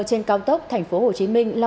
trên cao tốc tp hcm